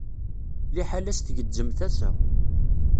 Liḥala-s tgezzem tasa.